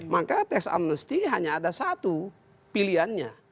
maka teks amnesti hanya ada satu pilihannya